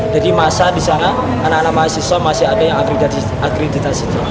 jadi masa di sana anak anak mahasiswa masih ada yang akreditasi